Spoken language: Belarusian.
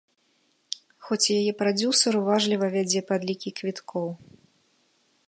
Хоць яе прадзюсар уважліва вядзе падлікі квіткоў.